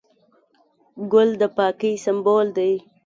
ګل د پاکۍ سمبول دی.